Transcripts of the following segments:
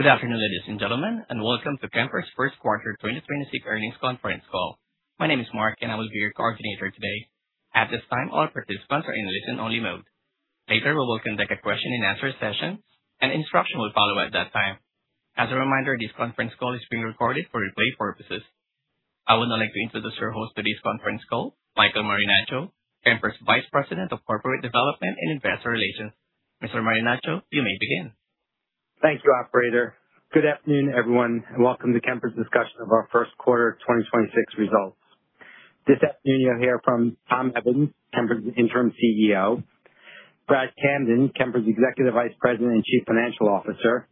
Good afternoon, ladies and gentlemen, and welcome to Kemper's first quarter 2026 earnings conference call. My name is Mark, and I will be your coordinator today. At this time, all participants are in listen-only mode. Later, we will conduct a question-and-answer session, and instruction will follow at that time. As a reminder, this conference call is being recorded for replay purposes. I would now like to introduce your host for today's conference call, Michael Marinaccio, Kemper's Vice President of Corporate Development and Investor Relations. Mr. Marinaccio, you may begin. Thank you, operator. Good afternoon, everyone. Welcome to Kemper's discussion of our first quarter 2026 results. This afternoon, you'll hear from Tom Evans, Kemper's Interim Chief Executive Officer; Brad Camden, Kemper's Executive Vice President and Chief Financial Officer;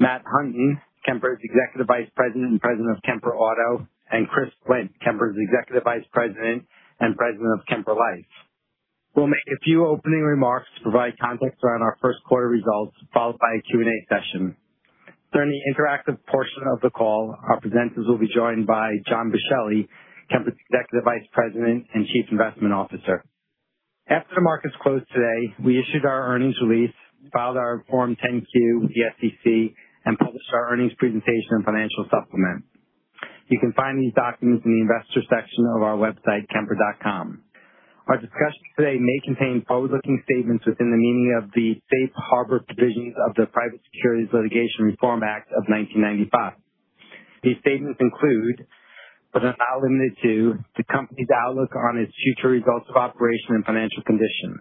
Matt Hunton, Kemper's Executive Vice President and President, Kemper Auto; and Chris Flint, Kemper's Executive Vice President and President of Kemper Life. We'll make a few opening remarks to provide context around our first quarter results, followed by a Q&A session. During the interactive portion of the call, our presenters will be joined by John M. Boschelli, Kemper's Executive Vice President and Chief Investment Officer. After the markets closed today, we issued our earnings release, filed our Form 10-Q with the SEC. Published our earnings presentation and financial supplement. You can find these documents in the Investor section of our website, kemper.com. Our discussion today may contain forward-looking statements within the meaning of the Safe Harbor provisions of the Private Securities Litigation Reform Act of 1995. These statements include, but are not limited to, the company's outlook on its future results of operation and financial condition.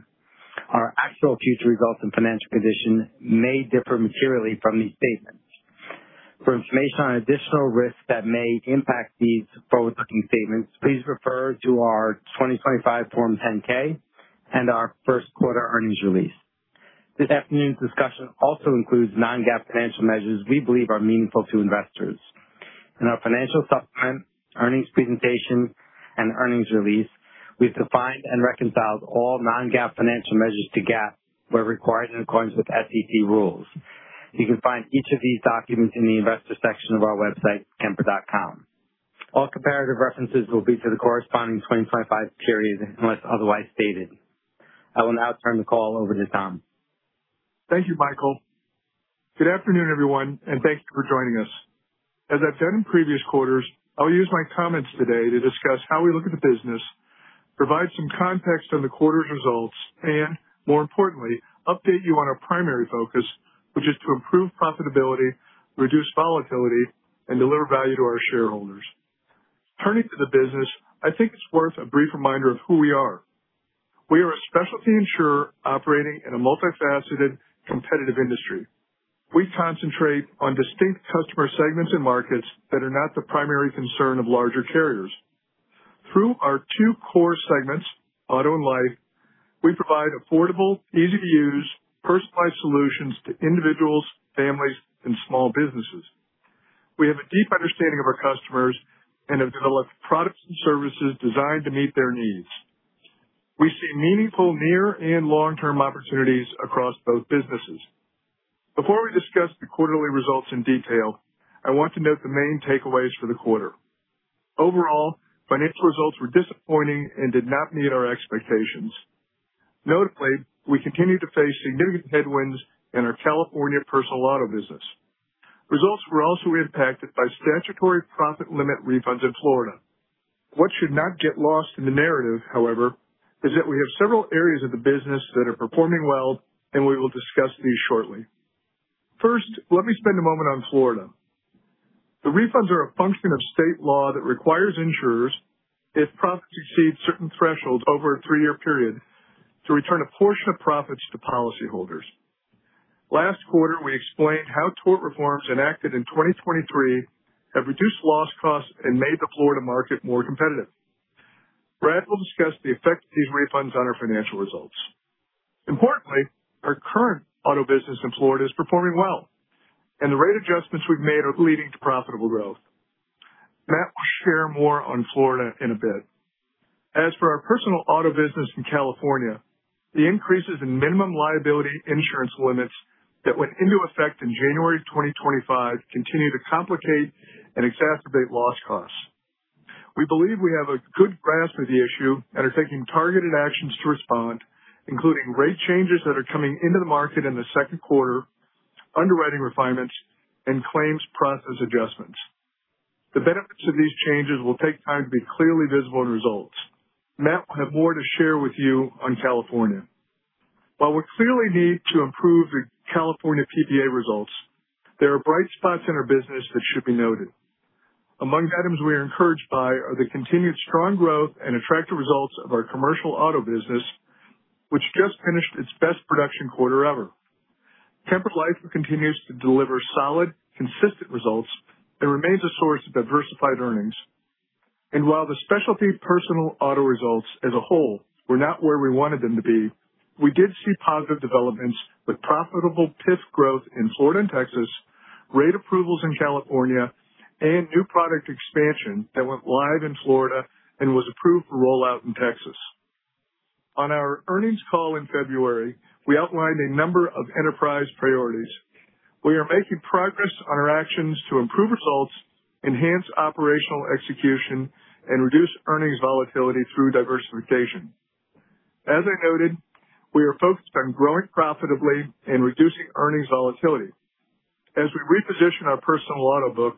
Our actual future results and financial condition may differ materially from these statements. For information on additional risks that may impact these forward-looking statements, please refer to our 2025 Form 10-K and our first quarter earnings release. This afternoon's discussion also includes non-GAAP financial measures we believe are meaningful to investors. In our financial supplement, earnings presentation, and earnings release, we've defined and reconciled all non-GAAP financial measures to GAAP where required in accordance with SEC rules. You can find each of these documents in the Investor section of our website, kemper.com. All comparative references will be to the corresponding 2025 period unless otherwise stated. I will now turn the call over to Tom. Thank you, Michael. Good afternoon, everyone, and thank you for joining us. As I've done in previous quarters, I'll use my comments today to discuss how we look at the business, provide some context on the quarter's results, and more importantly, update you on our primary focus, which is to improve profitability, reduce volatility, and deliver value to our shareholders. Turning to the business, I think it's worth a brief reminder of who we are. We are a specialty insurer operating in a multifaceted, competitive industry. We concentrate on distinct customer segments and markets that are not the primary concern of larger carriers. Through our two core segments, Auto and Life, we provide affordable, easy-to-use, personalized solutions to individuals, families, and small businesses. We have a deep understanding of our customers and have developed products and services designed to meet their needs. We see meaningful near and long-term opportunities across both businesses. Before we discuss the quarterly results in detail, I want to note the main takeaways for the quarter. Overall, financial results were disappointing and did not meet our expectations. Notably, we continue to face significant headwinds in our California personal auto business. Results were also impacted by statutory premium refunds in Florida. What should not get lost in the narrative, however, is that we have several areas of the business that are performing well, and we will discuss these shortly. First, let me spend a moment on Florida. The refunds are a function of state law that requires insurers, if profits exceed certain thresholds over a three-year period, to return a portion of profits to policyholders. Last quarter, we explained how tort reforms enacted in 2023 have reduced loss costs and made the Florida market more competitive. Brad will discuss the effect of these refunds on our financial results. Importantly, our current auto business in Florida is performing well, and the rate adjustments we've made are leading to profitable growth. Matt will share more on Florida in a bit. As for our personal auto business in California, the increases in minimum liability insurance limits that went into effect in January 2025 continue to complicate and exacerbate loss costs. We believe we have a good grasp of the issue and are taking targeted actions to respond, including rate changes that are coming into the market in the second quarter, underwriting refinements, and claims process adjustments. The benefits of these changes will take time to be clearly visible in results. Matt will have more to share with you on California. While we clearly need to improve the California PPA results, there are bright spots in our business that should be noted. Among items we are encouraged by are the continued strong growth and attractive results of our commercial auto business, which just finished its best production quarter ever. Kemper Life continues to deliver solid, consistent results and remains a source of diversified earnings. While the specialty personal auto results as a whole were not where we wanted them to be, we did see positive developments with profitable PIF growth in Florida and Texas, great approvals in California, and new product expansion that went live in Florida and was approved for rollout in Texas. On our earnings call in February, we outlined a number of enterprise priorities. We are making progress on our actions to improve results, enhance operational execution, and reduce earnings volatility through diversification. As I noted, we are focused on growing profitably and reducing earnings volatility. As we reposition our personal auto book,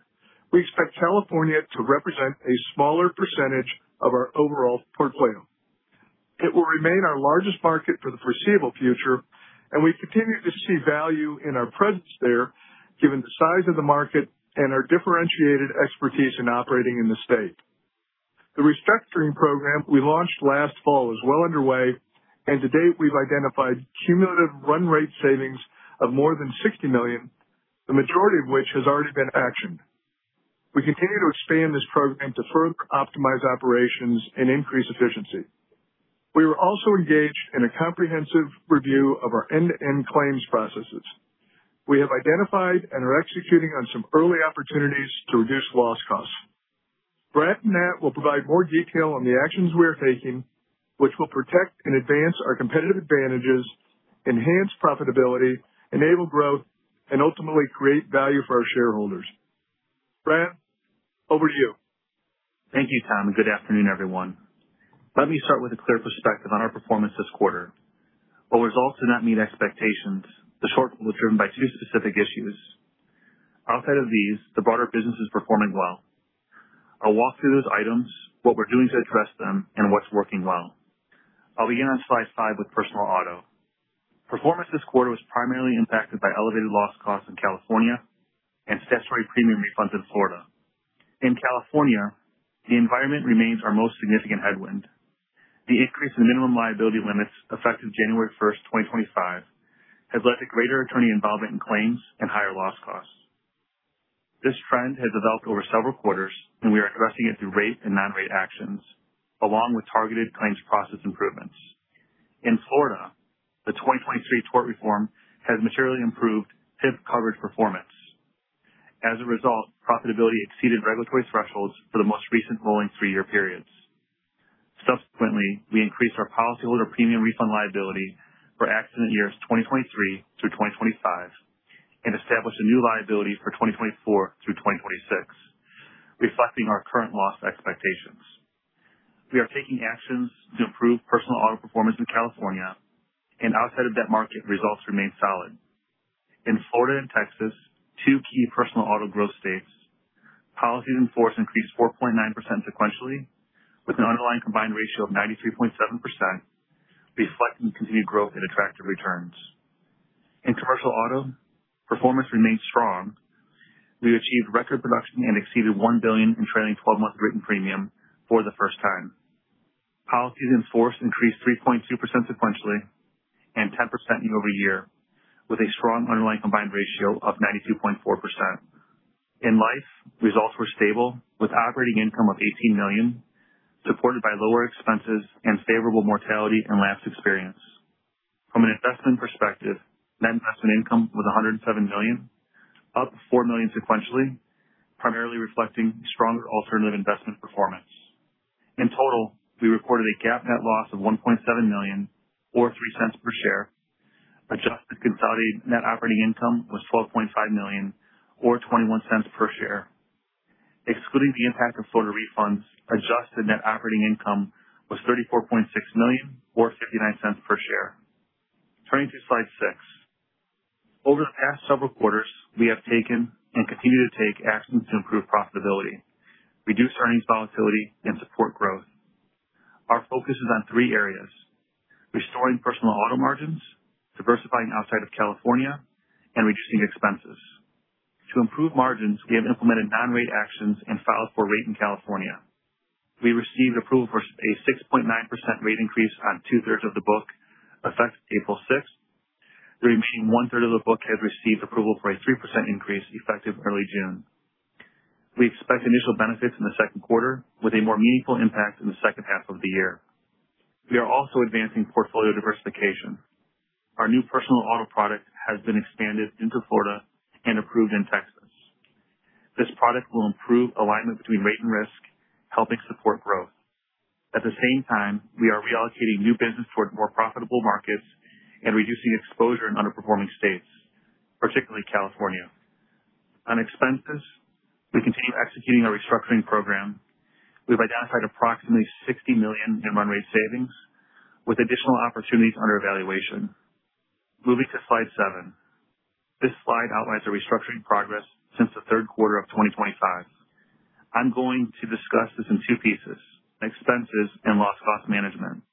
we expect California to represent a smaller percentage of our overall portfolio. It will remain our largest market for the foreseeable future, and we continue to see value in our presence there, given the size of the market and our differentiated expertise in operating in the state. The restructuring program we launched last fall is well underway. To date, we've identified cumulative run rate savings of more than $60 million, the majority of which has already been actioned. We continue to expand this program to further optimize operations and increase efficiency. We were also engaged in a comprehensive review of our end-to-end claims processes. We have identified and are executing on some early opportunities to reduce loss costs. Brad and Matt will provide more detail on the actions we are taking, which will protect and advance our competitive advantages, enhance profitability, enable growth, and ultimately create value for our shareholders. Brad, over to you. Thank you, Tom, and good afternoon, everyone. Let me start with a clear perspective on our performance this quarter. While results did not meet expectations, the shortfall was driven by two specific issues. Outside of these, the broader business is performing well. I'll walk through those items, what we're doing to address them, and what's working well. I'll begin on slide five with Personal Auto. Performance this quarter was primarily impacted by elevated loss costs in California and statutory premium refunds in Florida. In California, the environment remains our most significant headwind. The increase in minimum liability limits effective January 1, 2025, has led to greater attorney involvement in claims and higher loss costs. This trend has developed over several quarters. We are addressing it through rate and non-rate actions, along with targeted claims process improvements. In Florida, the 2023 tort reform has materially improved PIP coverage performance. As a result, profitability exceeded regulatory thresholds for the most recent rolling three-year periods. Subsequently, we increased our policyholder premium refund liability for accident years 2023 through 2025 and established a new liability for 2024 through 2026, reflecting our current loss expectations. We are taking actions to improve Personal Auto performance in California, and outside of that market, results remain solid. In Florida and Texas, two key Personal Auto growth states, policies in force increased 4.9% sequentially, with an underlying combined ratio of 93.7%, reflecting continued growth and attractive returns. In Commercial Auto, performance remains strong. We achieved record production and exceeded $1 billion in trailing 12-month written premium for the first time. Policies in force increased 3.2% sequentially and 10% year-over-year, with a strong underlying combined ratio of 92.4%. In Life, results were stable, with operating income of $18 million, supported by lower expenses and favorable mortality and lapse experience. From an investment perspective, net investment income was $107 million, up $4 million sequentially, primarily reflecting stronger alternative investment performance. In total, we recorded a GAAP net loss of $1.7 million, or $0.03 per share. Adjusted consolidated net operating income was $12.5 million or $0.21 per share. Excluding the impact of Florida refunds, adjusted net operating income was $34.6 million or $0.59 per share. Turning to slide six. Over the past several quarters, we have taken and continue to take actions to improve profitability, reduce earnings volatility, and support growth. Our focus is on three areas: restoring Personal Auto margins, diversifying outside of California, and reducing expenses. To improve margins, we have implemented non-rate actions and filed for rate in California. We received approval for a 6.9% rate increase on 2/3 of the book, effective April 6th. The remaining 1/3 of the book has received approval for a 3% increase, effective early June. We expect initial benefits in the second quarter with a more meaningful impact in the second half of the year. We are also advancing portfolio diversification. Our new Personal Auto product has been expanded into Florida and approved in Texas. This product will improve alignment between rate and risk, helping support growth. At the same time, we are reallocating new business toward more profitable markets and reducing exposure in underperforming states, particularly California. On expenses, we continue executing our restructuring program. We've identified approximately $60 million in run rate savings with additional opportunities under evaluation. Moving to slide seven. This slide outlines the restructuring progress since the third quarter of 2025. I'm going to discuss this in two pieces: expenses and loss cost management.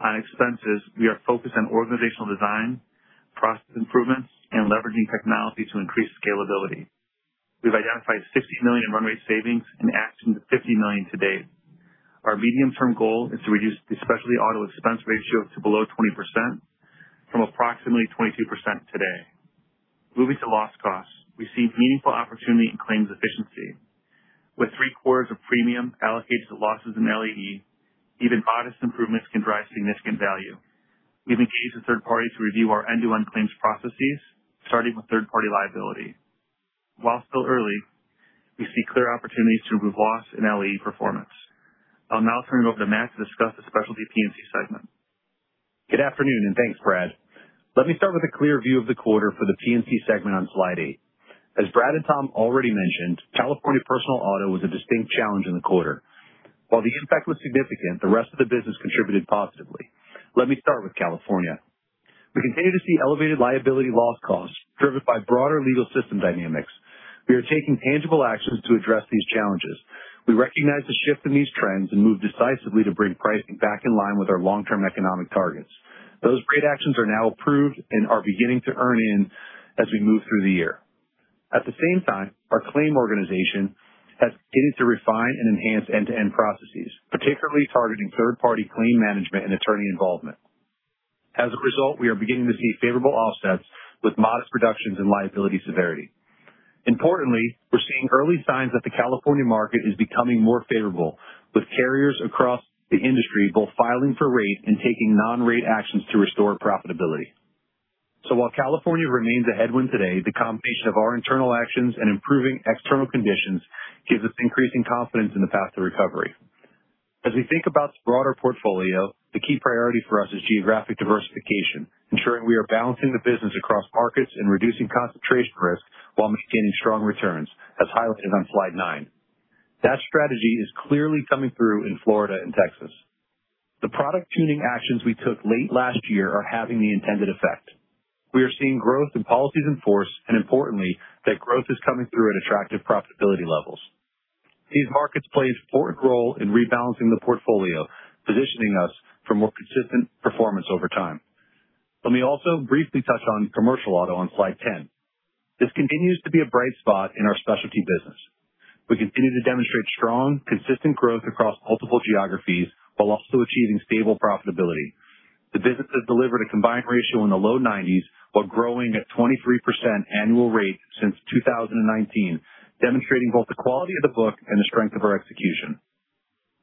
On expenses, we are focused on organizational design, process improvements, and leveraging technology to increase scalability. We've identified $60 million in run rate savings and actioned $50 million to date. Our medium-term goal is to reduce the specialty auto expense ratio to below 20% from approximately 22% today. Moving to loss costs, we see meaningful opportunity in claims efficiency. With three-quarters of premium allocated to losses and LAE, even modest improvements can drive significant value. We've engaged a third party to review our end-to-end claims processes, starting with third-party liability. While still early, we see clear opportunities to improve loss and LAE performance. I'll now turn it over to Matt to discuss the Specialty P&C segment. Good afternoon, and thanks, Brad. Let me start with a clear view of the quarter for the P&C segment on slide eight. As Brad and Tom already mentioned, California Personal Auto was a distinct challenge in the quarter. While the impact was significant, the rest of the business contributed positively. Let me start with California. We continue to see elevated liability loss costs driven by broader legal system dynamics. We are taking tangible actions to address these challenges. We recognize the shift in these trends and move decisively to bring pricing back in line with our long-term economic targets. Those great actions are now approved and are beginning to earn in as we move through the year. At the same time, our claim organization has started to refine and enhance end-to-end processes, particularly targeting third-party claim management and attorney involvement. As a result, we are beginning to see favorable offsets with modest reductions in liability severity. Importantly, we're seeing early signs that the California market is becoming more favorable, with carriers across the industry both filing for rate and taking non-rate actions to restore profitability. While California remains a headwind today, the combination of our internal actions and improving external conditions gives us increasing confidence in the path to recovery. As we think about this broader portfolio, the key priority for us is geographic diversification, ensuring we are balancing the business across markets and reducing concentration risk while maintaining strong returns, as highlighted on slide nine. That strategy is clearly coming through in Florida and Texas. The product tuning actions we took late last year are having the intended effect. We are seeing growth in policies in force, and importantly, that growth is coming through at attractive profitability levels. These markets play an important role in rebalancing the portfolio, positioning us for more consistent performance over time. Let me also briefly touch on commercial auto on slide 10. This continues to be a bright spot in our specialty business. We continue to demonstrate strong, consistent growth across multiple geographies while also achieving stable profitability. The business has delivered a combined ratio in the low 90s while growing at 23% annual rate since 2019, demonstrating both the quality of the book and the strength of our execution.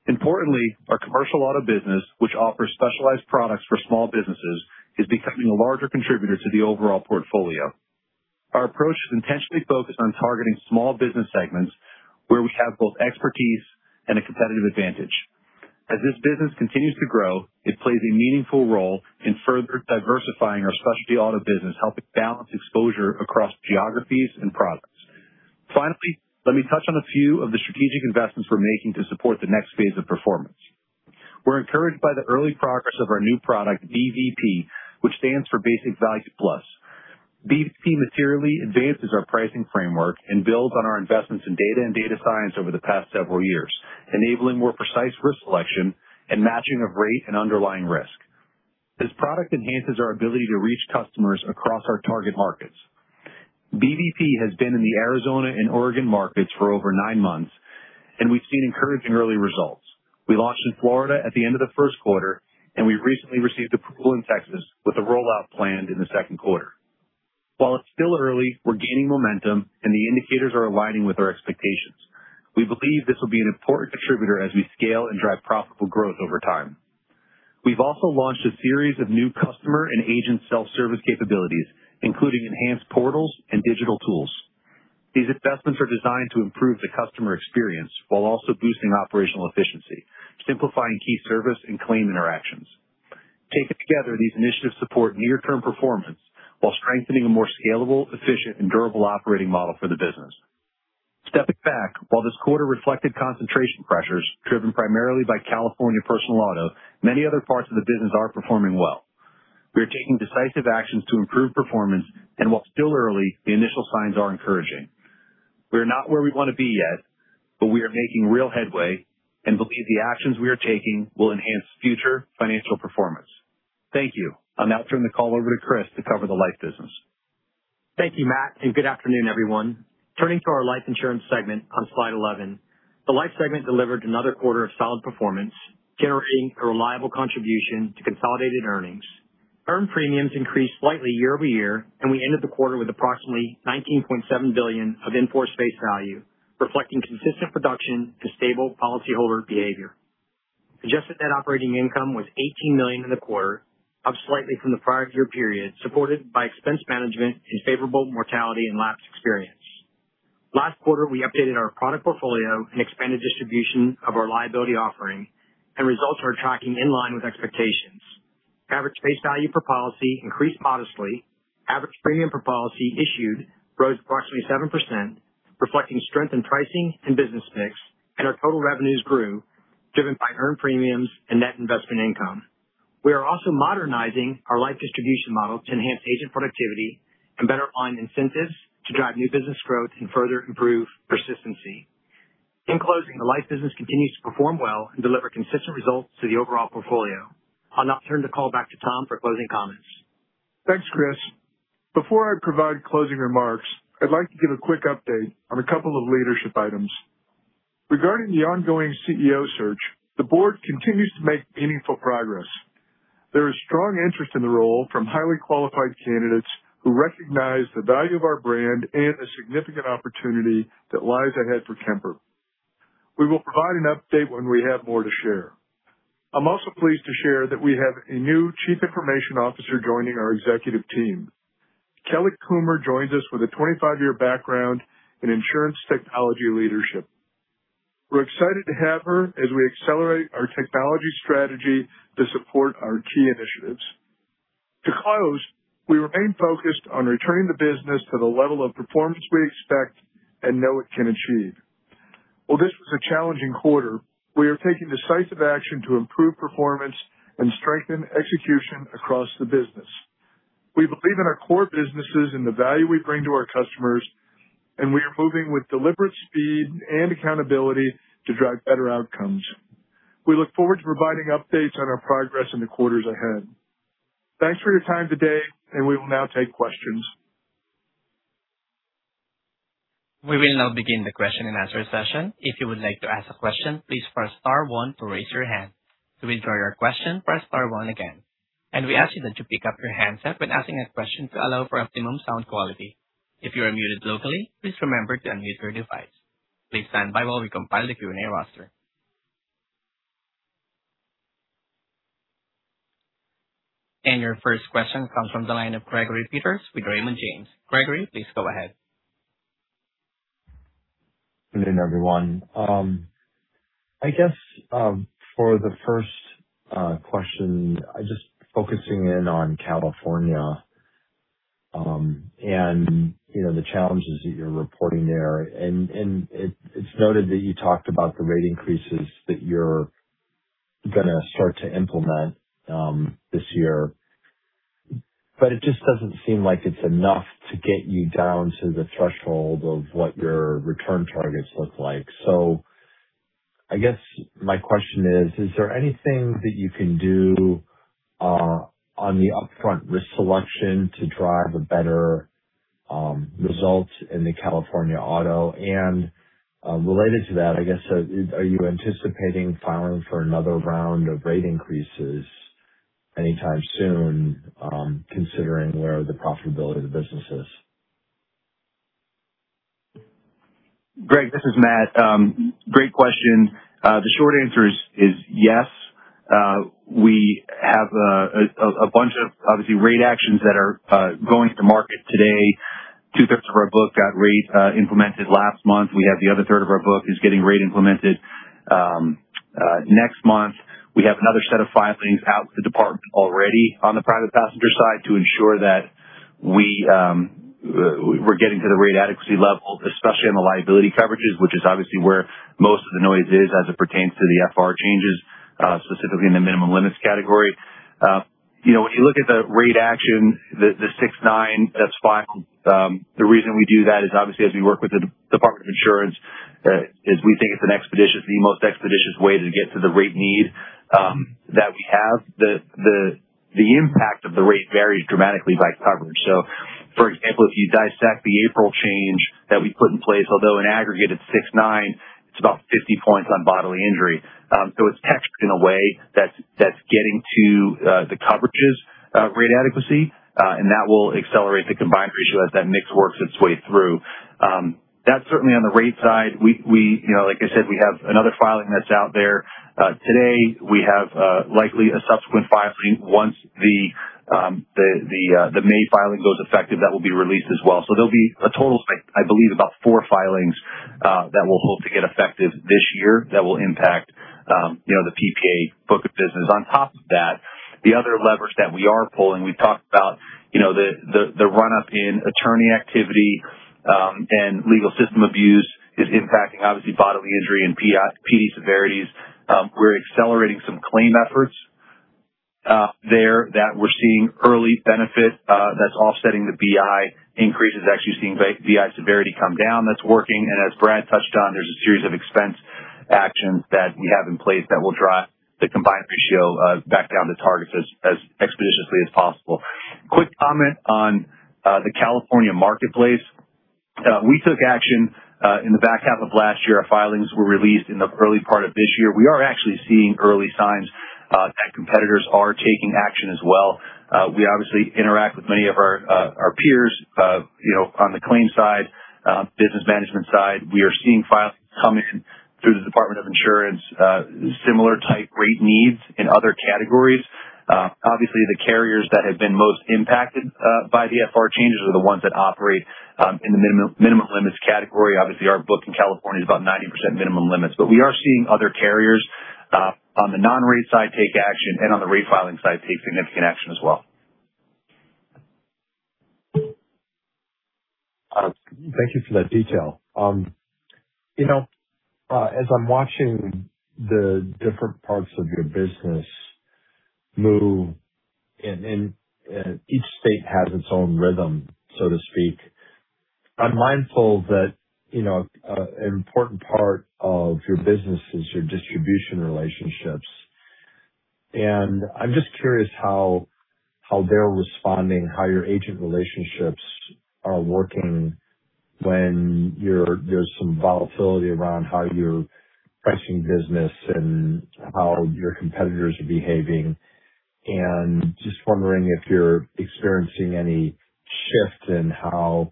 Importantly, our Commercial Auto business, which offers specialized products for small businesses, is becoming a larger contributor to the overall portfolio. Our approach is intentionally focused on targeting small business segments where we have both expertise and a competitive advantage. As this business continues to grow, it plays a meaningful role in further diversifying our Specialty Auto business, helping balance exposure across geographies and products. Finally, let me touch on a few of the strategic investments we're making to support the next phase of performance. We're encouraged by the early progress of our new product, BVP, which stands for Basic Value Plus. BVP materially advances our pricing framework and builds on our investments in data and data science over the past several years, enabling more precise risk selection and matching of rate and underlying risk. This product enhances our ability to reach customers across our target markets. BVP has been in the Arizona and Oregon markets for over nine months, and we've seen encouraging early results. We launched in Florida at the end of the first quarter, and we recently received approval in Texas with a rollout planned in the second quarter. While it's still early, we're gaining momentum, and the indicators are aligning with our expectations. We believe this will be an important contributor as we scale and drive profitable growth over time. We've also launched a series of new customer and agent self-service capabilities, including enhanced portals and digital tools. These investments are designed to improve the customer experience while also boosting operational efficiency, simplifying key service and claim interactions. Taken together, these initiatives support near-term performance while strengthening a more scalable, efficient, and durable operating model for the business. Stepping back, while this quarter reflected concentration pressures driven primarily by California Personal Auto, many other parts of the business are performing well. We are taking decisive actions to improve performance, and while it's still early, the initial signs are encouraging. We are not where we want to be yet, but we are making real headway and believe the actions we are taking will enhance future financial performance. Thank you. I'll now turn the call over to Chris to cover the Life business. Thank you, Matt. Good afternoon, everyone. Turning to our Life segment on slide 11. The Life segment delivered another quarter of solid performance, generating a reliable contribution to consolidated earnings. Earned premiums increased slightly year-over-year. We ended the quarter with approximately $19.7 billion of in-force face value, reflecting consistent production to stable policyholder behavior. Adjusted consolidated net operating income was $18 million in the quarter, up slightly from the prior year period, supported by expense management and favorable mortality and lapse experience. Last quarter, we updated our product portfolio and expanded distribution of our liability offering. Results are tracking in line with expectations. Average face value per policy increased modestly. Average premium per policy issued rose approximately 7%, reflecting strength in pricing and business mix. Our total revenues grew, driven by earned premiums and net investment income. We are also modernizing our life distribution model to enhance agent productivity and better align incentives to drive new business growth and further improve persistency. In closing, the Life Business continues to perform well and deliver consistent results to the overall portfolio. I'll now turn the call back to Tom for closing comments. Thanks, Chris. Before I provide closing remarks, I'd like to give a quick update on a couple of leadership items. Regarding the ongoing CEO search, the board continues to make meaningful progress. There is strong interest in the role from highly qualified candidates who recognize the value of our brand and the significant opportunity that lies ahead for Kemper. We will provide an update when we have more to share. I'm also pleased to share that we have a new Chief Information Officer joining our executive team. Kelly Coomer joins us with a 25-year background in insurance technology leadership. We're excited to have her as we accelerate our technology strategy to support our key initiatives. To close, we remain focused on returning the business to the level of performance we expect and know it can achieve. While this was a challenging quarter, we are taking decisive action to improve performance and strengthen execution across the business. We believe in our core businesses and the value we bring to our customers, and we are moving with deliberate speed and accountability to drive better outcomes. We look forward to providing updates on our progress in the quarters ahead. Thanks for your time today, and we will now take questions. We will now begin the question-and-answer session. If you would like to ask a question, please press star one to raise your hand. To withdraw your question, press star one again. We ask you that you pick up your handset when asking a question to allow for optimum sound quality. If you are muted locally, please remember to unmute your device. Please stand by while we compile the Q&A roster. Your first question comes from the line of Gregory Peters with Raymond James. Gregory, please go ahead. Good afternoon, everyone. I guess for the first question, I just focusing in on California, and you know, the challenges that you're reporting there. It's noted that you talked about the rate increases that you're going to start to implement this year. It just doesn't seem like it's enough to get you down to the threshold of what your return targets look like. I guess my question is: Is there anything that you can do on the upfront risk selection to drive a better result in the California auto? Related to that, I guess, are you anticipating filing for another round of rate increases anytime soon, considering where the profitability of the business is? Greg, this is Matt. Great question. The short answer is yes. We have a bunch of obviously rate actions that are going to market today. Two-thirds of our book got rate implemented last month. We have the other third of our book is getting rate implemented next month. We have another set of filings out with the Department already on the private passenger side to ensure that we're getting to the rate adequacy levels, especially on the liability coverages, which is obviously where most of the noise is as it pertains to the FR changes specifically in the minimum limits category. You know, when you look at the rate action, the 6.9% that's filed, the reason we do that is obviously as we work with the Department of Insurance, is we think it's an expeditious, the most expeditious way to get to the rate need that we have. The impact of the rate varies dramatically by coverage. For example, if you dissect the April change that we put in place, although in aggregate it's 6.9%, it's about 50 points on bodily injury. It's textured in a way that's getting to the coverages of rate adequacy, and that will accelerate the combined ratio as that mix works its way through. That's certainly on the rate side. We, you know, like I said, we have another filing that's out there. Today, we have likely a subsequent filing once the May filing goes effective that will be released as well. There'll be a total of, I believe, about four filings that we'll hope to get effective this year that will impact, you know, the PPA book of business. On top of that, the other leverage that we are pulling, we've talked about, you know, the run-up in attorney activity and legal system abuse is impacting obviously bodily injury and PD severities. We're accelerating some claim efforts there that we're seeing early benefit that's offsetting the BI increases, actually seeing BI severity come down. That's working. As Brad touched on, there's a series of expense actions that we have in place that will drive the combined ratio back down to targets as expeditiously as possible. Quick comment on the California marketplace. We took action in the back half of last year. Our filings were released in the early part of this year. We are actually seeing early signs that competitors are taking action as well. We obviously interact with many of our peers, you know, on the claims side, business management side. We are seeing filings coming through the Department of Insurance, similar type rate needs in other categories. Obviously, the carriers that have been most impacted by the FR changes are the ones that operate in the minimum limits category. Obviously, our book in California is about 90% minimum limits. We are seeing other carriers on the non-rate side take action and on the rate filing side take significant action as well. Thank you for that detail. You know, as I'm watching the different parts of your business move and each state has its own rhythm, so to speak. I'm mindful that, you know, an important part of your business is your distribution relationships. I'm just curious how they're responding, how your agent relationships are working when there's some volatility around how you're pricing business and how your competitors are behaving. Just wondering if you're experiencing any shift in how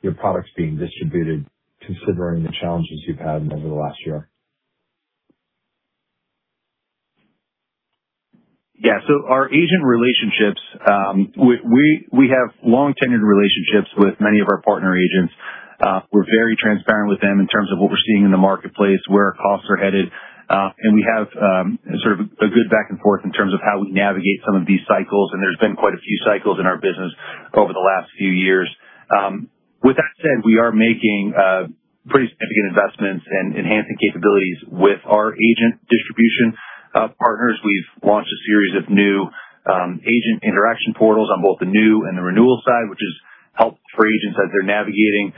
your product's being distributed considering the challenges you've had over the last year. Yeah. Our agent relationships, we have long tenured relationships with many of our partner agents. We're very transparent with them in terms of what we're seeing in the marketplace, where our costs are headed. We have sort of a good back and forth in terms of how we navigate some of these cycles. There's been quite a few cycles in our business over the last few years. With that said, we are making pretty significant investments in enhancing capabilities with our agent distribution partners. We've launched a series of new agent interaction portals on both the new and the renewal side, which has helped for agents as they're navigating.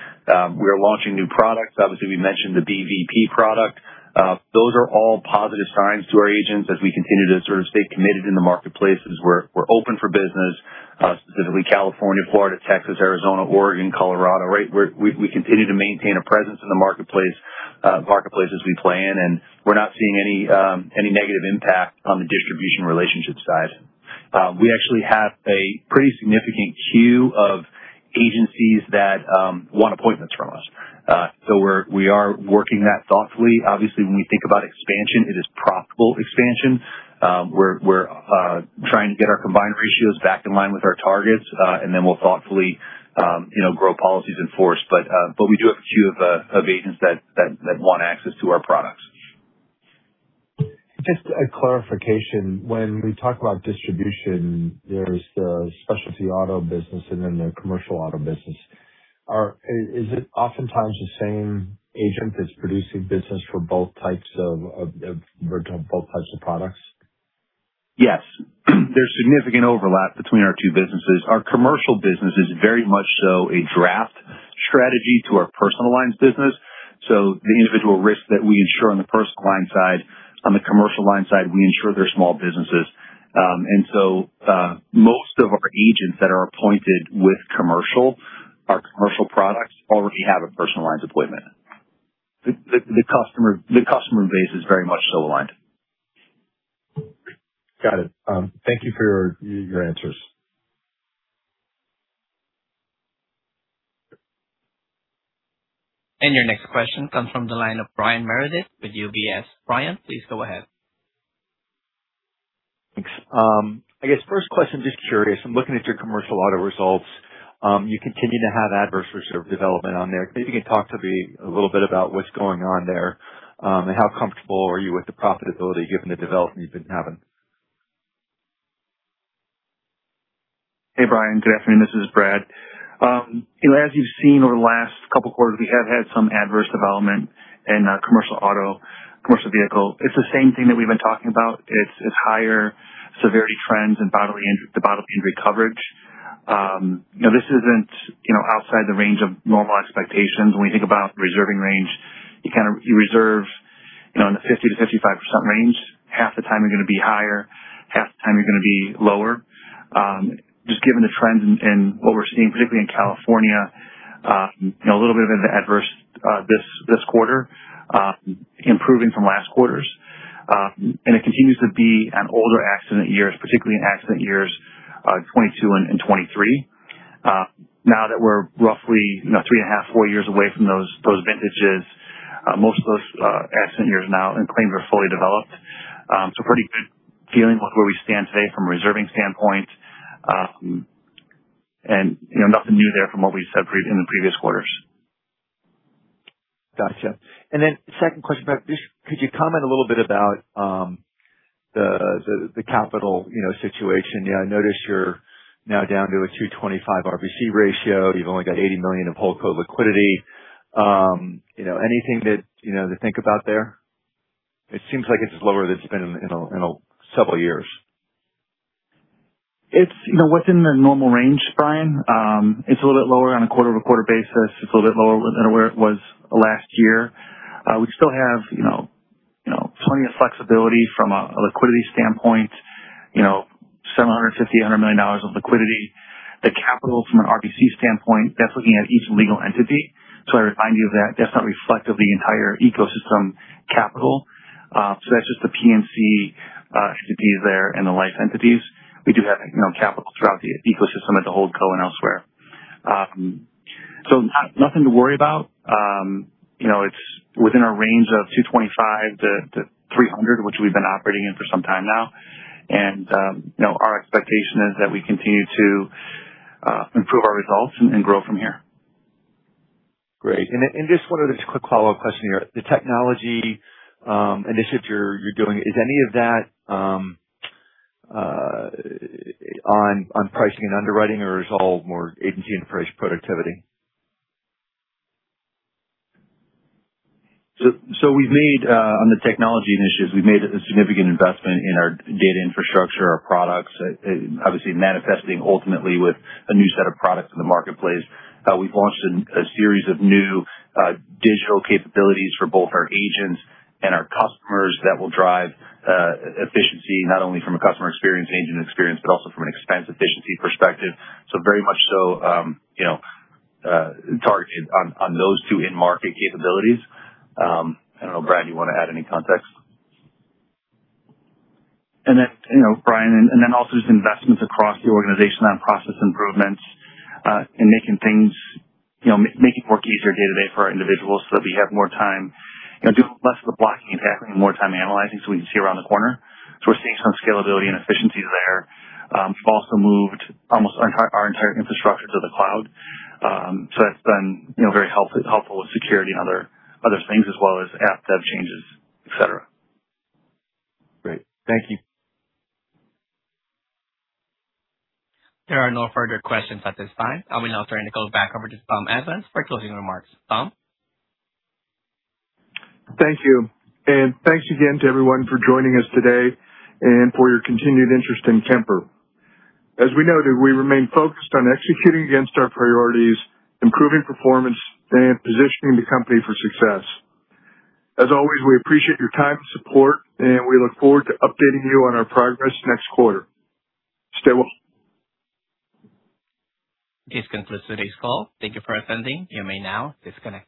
We are launching new products. Obviously, we mentioned the BVP product. Those are all positive signs to our agents as we continue to sort of stay committed in the marketplaces where we're open for business, specifically California, Florida, Texas, Arizona, Oregon, Colorado, right, where we continue to maintain a presence in the marketplace, marketplaces we play in. We're not seeing any negative impact on the distribution relationship side. We actually have a pretty significant queue of agencies that want appointments from us. We are working that thoughtfully. Obviously, when we think about expansion, it is profitable expansion. We're trying to get our combined ratios back in line with our targets, then we'll thoughtfully, you know, grow policies in force. We do have a queue of agents that want access to our products. Just a clarification. When we talk about distribution, there's the Specialty Auto business and then the Commercial Auto business. Is it oftentimes the same agent that's producing business for both types of products? Yes. There's significant overlap between our two businesses. Our Commercial business is very much so a draft strategy to our Personal lines business. The individual risks that we insure on the personal line side, on the Commercial line side, we insure their small businesses. Most of our agents that are appointed with Commercial, our Commercial products already have a Personal lines appointment. The customer base is very much so aligned. Got it. Thank you for your answers. Your next question comes from the line of Brian Meredith with UBS. Brian, please go ahead. Thanks. I guess first question, just curious, I'm looking at your Commercial Auto results. You continue to have adverse reserve development on there. Maybe you can talk to me a little bit about what's going on there, how comfortable are you with the profitability given the development you've been having. Hey, Brian, good afternoon, this is Brad. You know, as you've seen over the last couple quarters, we have had some adverse development in commercial auto, commercial vehicle. It's the same thing that we've been talking about. It's, it's higher severity trends and bodily injury, the bodily injury coverage. You know, this isn't, you know, outside the range of normal expectations. When you think about reserving range, you reserve, you know, in the 50%-55% range. Half the time you're going to be higher, half the time you're going to be lower. Just given the trends and what we're seeing, particularly in California, you know, a little bit of an adverse, this quarter, improving from last quarters. And it continues to be on older accident years, particularly in accident years, 2022 and 2023. Now that we're roughly three and a half, four years away from those vintages, most of those accident years now and claims are fully developed. Pretty good feeling with where we stand today from a reserving standpoint. Nothing new there from what we said in the previous quarters. Gotcha. Second question, Brad. Just could you comment a little bit about the capital, you know, situation? You know, I notice you're now down to a 225 RBC ratio. You've only got $80 million in holdco liquidity. You know, anything that, you know, to think about there? It seems like it's lower than it's been in several years. It's, you know, within the normal range, Brian. It's a little bit lower on a quarter-over-quarter basis. It's a little bit lower than where it was last year. We still have, you know, plenty of flexibility from a liquidity standpoint, you know, $750 million and $100 million of liquidity. The capital from an RBC standpoint, that's looking at each legal entity. I remind you of that. That's not reflective of the entire ecosystem capital. That's just the P&C entities there and the Life entities. We do have, you know, capital throughout the ecosystem at the holdco and elsewhere. Nothing to worry about. You know, it's within our range of 225%-300%, which we've been operating in for some time now. You know, our expectation is that we continue to improve our results and grow from here. Great. Just one other just quick follow-up question here. The technology initiatives you're doing, is any of that on pricing and underwriting or is it all more agency and price productivity? On the technology initiatives, we've made a significant investment in our data infrastructure, our products, obviously manifesting ultimately with a new set of products in the marketplace. We've launched a series of new digital capabilities for both our agents and our customers that will drive efficiency not only from a customer experience and agent experience, but also from an expense efficiency perspective. Very much so, you know, targeted on those two end market capabilities. I don't know, Brad, you want to add any context? You know, Brian, also just investments across the organization on process improvements, and making things, you know, making work easier day-to-day for our individuals so that we have more time, you know, doing less of the blocking and tackling and more time analyzing so we can see around the corner. We're seeing some scalability and efficiencies there. We've also moved almost our entire infrastructure to the cloud. That's been, you know, very helpful with security and other things as well as app dev changes, et cetera. Great. Thank you. There are no further questions at this time. I will now turn the call back over to Tom Evans for closing remarks. Tom? Thank you. Thanks again to everyone for joining us today and for your continued interest in Kemper. As we noted, we remain focused on executing against our priorities, improving performance, and positioning the company for success. As always, we appreciate your time and support, and we look forward to updating you on our progress next quarter. Stay well. This concludes today's call. Thank you for attending. You may now disconnect.